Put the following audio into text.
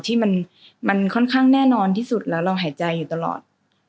ที่มันค่อนข้างแน่นอนที่สุดแล้วเราหายใจอยู่ตลอด